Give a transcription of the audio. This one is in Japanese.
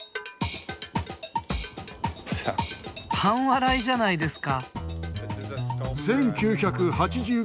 半笑いじゃないですか。